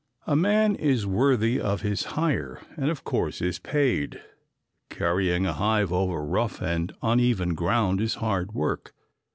A man is worthy of his hire and of course is paid. Carrying a hive over rough and uneven ground is hard work.